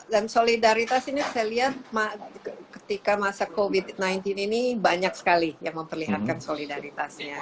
dan solidaritas ini saya lihat ketika masa covid sembilan belas ini banyak sekali yang memperlihatkan solidaritasnya